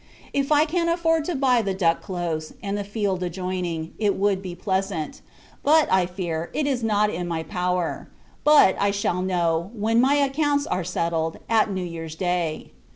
If I can afford to buy the Duck Close, and the field adjoining, it would be pleasant; but, I fear, it is not in my power: but, I shall know, when my accounts are settled, at New Year's Day.